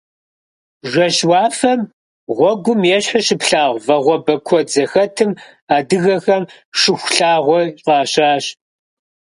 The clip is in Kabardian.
Жэщ уафэм гъуэгум ещхьу щыплъагъу вагъуэбэ куэд зэхэтым адыгэхэм Шыхулъагъуэ фӀащащ.